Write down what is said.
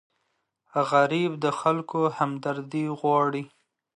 غریب د خلکو همدردي غواړي